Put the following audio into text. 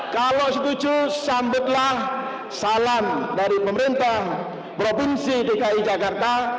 kalau setuju sambutlah salam dari pemerintah provinsi dki jakarta